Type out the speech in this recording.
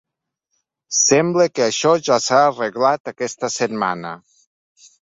Sembla que això ja s’ha arreglat aquesta setmana.